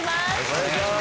お願いします。